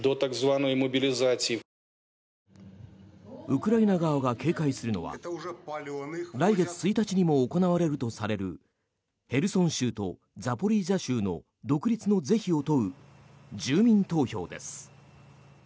ウクライナ側が警戒するのは来月１日にも行われるとされるヘルソン州とザポリージャ州の独立の是非を問う住民投票です。